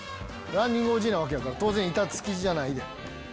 ランニングおじいなわけやから当然板付きじゃないで。